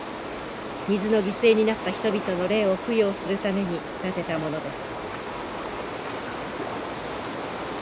水の犠牲になった人々の霊を供養するために建てたものです。